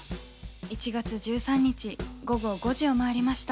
１月１３日午後５時を回りました。